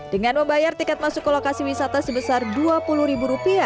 dengan membayar tiket masuk ke lokasi wisata sebesar rp dua puluh